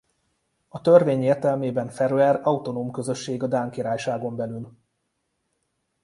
A törvény értelmében Feröer autonóm közösség a Dán Királyságon belül.